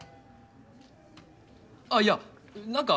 あっいやなんか